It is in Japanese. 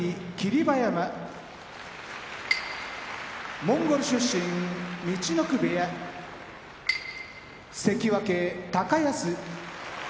馬山モンゴル出身陸奥部屋関脇・高安